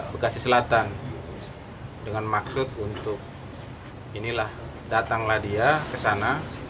bekasi selatan dengan maksud untuk datanglah dia ke sana